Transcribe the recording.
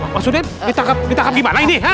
mas uden ditangkap gimana ini